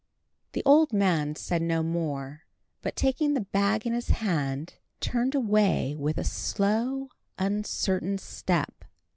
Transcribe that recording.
The old man said no more, but taking the bag in his hand, turned away with a slow, uncertain step.